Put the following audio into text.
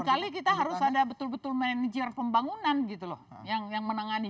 ya atau lain kali kita harus ada betul betul manajer pembangunan gitu loh yang menangani